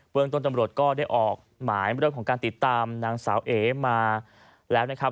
เมืองต้นตำรวจก็ได้ออกหมายเรื่องของการติดตามนางสาวเอ๋มาแล้วนะครับ